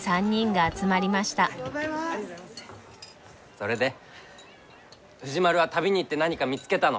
それで藤丸は旅に行って何か見つけたの？